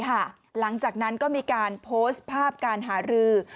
หลังจากนั้นก็มีการโพสต์ภาพการหารือ